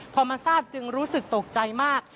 พอมาทราบจึงรู้สึกตกใจมาก